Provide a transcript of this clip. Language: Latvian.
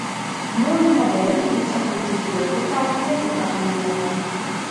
Noilguma dēļ viņa sacensību rezultāti netika anulēti.